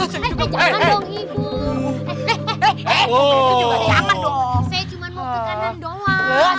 saya cuma mau ke kanan doang